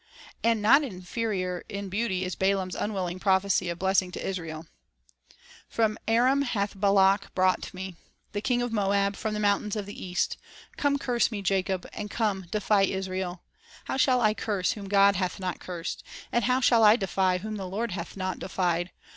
And not inferior in beauty is Balaam's unwilling prophecy of blessing to Israel :— "From Aram hath Balak brought me, The king of Moab from the mountains of the East ; Come, curse me Jacob, An Ancient And come, defy Israel. Prophecy Hqw shaU j ausei whom God hath not CLirse d? And how shall I defy, whom the Lord hath not defied